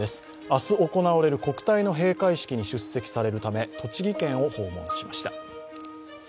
明日行われる国体の閉会式に出席されるため、栃木県を訪問しました。